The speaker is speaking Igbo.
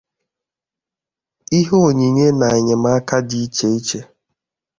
ihe onyinye na enyemaka dị iche iche